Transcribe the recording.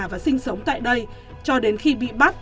và sinh sống tại đây cho đến khi bị bắt